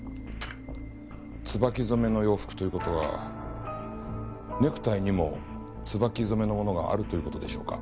椿染めの洋服という事はネクタイにも椿染めのものがあるという事でしょうか？